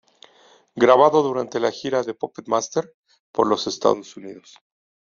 Grabado durante la gira The Puppet Master por los Estados Unidos.